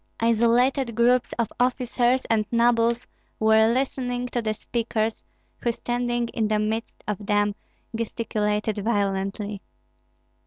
Isolated groups of officers and nobles were listening to the speakers, who standing in the midst of them gesticulated violently.